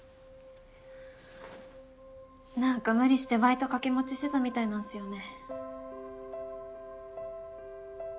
何か無理してバイト掛け持ちしてたみたいなんすよね。